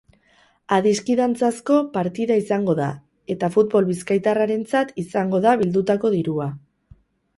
Adiskidantzazko partida izango da eta futbol bizkaitarrarentzat izango da bildutako dirua.